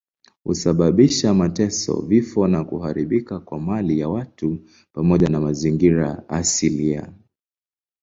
Husababisha mateso, vifo na kuharibika kwa mali ya watu pamoja na mazingira asilia.